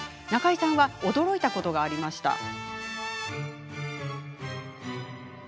中井さんは驚いたことがありました。